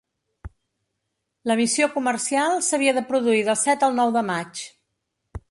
La missió comercial s’havia de produir del set al nou de maig.